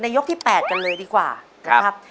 ยกที่๘กันเลยดีกว่านะครับ